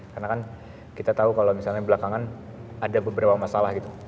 karena kan kita tahu kalau misalnya belakangan ada beberapa masalah gitu